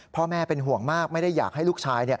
พ่อแม่เป็นห่วงมากไม่ได้อยากให้ลูกชาย